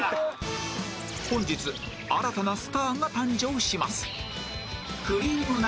本日新たなスターが誕生します